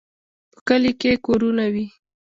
په کلي کې کورونه وي.